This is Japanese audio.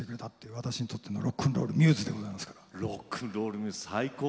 私にとってのロックンロールミューズですから。